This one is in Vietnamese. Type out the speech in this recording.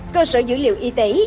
cơ sở dữ liệu y tế